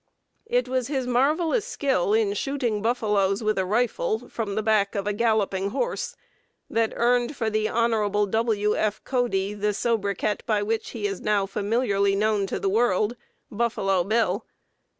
It was his marvelous skill in shooting buffaloes with a rifle, from the back of a galloping horse, that earned for the Hon. W. F. Cody the sobriquet by which he is now familiarly known to the world "Buffalo Bill."